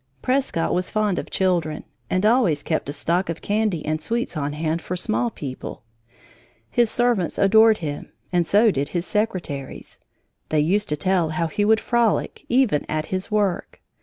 Prescott was fond of children and always kept a stock of candy and sweets on hand for small people. His servants adored him and so did his secretaries. They used to tell how he would frolic, even at his work.